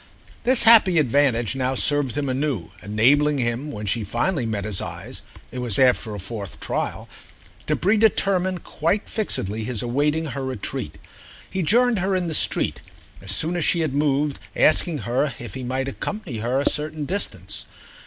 This happy advantage now served him anew, enabling him when she finally met his eyes—it was after a fourth trial—to predetermine quite fixedly his awaiting her retreat. He joined her in the street as soon as she had moved, asking her if he might accompany her a certain distance.